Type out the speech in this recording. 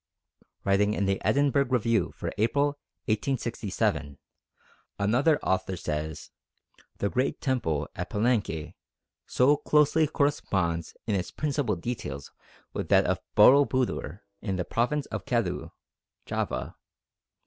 Writing in The Edinburgh Review for April, 1867, another author says, "The great temple at Palenque so closely corresponds in its principal details with that of Boro Budor, in the province of Kedu (Java)